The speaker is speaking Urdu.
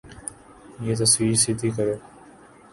یہ تصویر سیدھی کرو